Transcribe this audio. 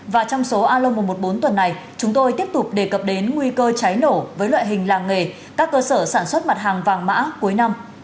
và trong số alo một trăm một mươi bốn tuần này chúng tôi tiếp tục đề cập đến nguy cơ cháy nổ với loại hình làng nghề các cơ sở sản xuất mặt hàng vàng mã cuối năm